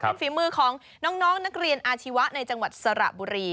เป็นฝีมือของน้องนักเรียนอาชีวะในจังหวัดสระบุรี